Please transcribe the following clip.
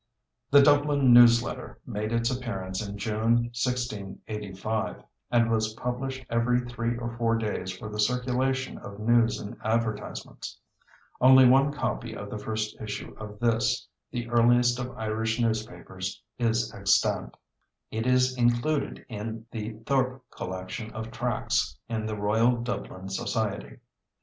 The Dublin News Letter made its appearance in June, 1685, and was published every three or four days for the circulation of news and advertisements. Only one copy of the first issue of this, the earliest of Irish newspapers, is extant. It is included in the Thorpe collection of tracts in the Royal Dublin Society.